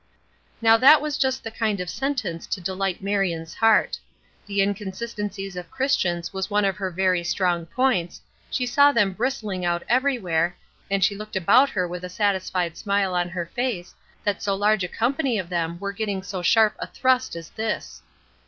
Now that was just the kind of sentence to delight Marion's heart. The inconsistencies of Christians was one of her very strong points, she saw them bristling out everywhere, and she looked about her with a satisfied smile on her face that so large a company of them were getting so sharp a thrust as this.